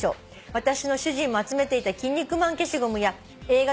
私の主人も集めていたキン肉マン消しゴムや映画のパンフレット